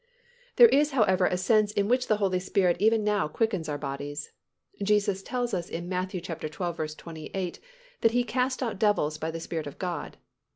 There is, however, a sense in which the Holy Spirit even now quickens our bodies. Jesus tells us in Matt. xii. 28 that He cast out devils by the Spirit of God.